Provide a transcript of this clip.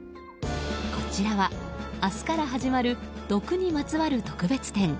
こちらは、明日から始まる毒にまつわる特別展